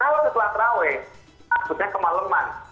kalau setelah terawet maksudnya kemalaman